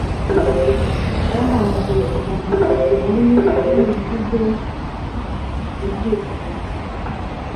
Bahanze ubuvanganzo bujyanye n’imivugo, ibyivugo,